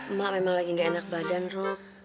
emak memang lagi nggak enak badan rok